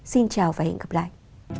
xin chào và hẹn gặp lại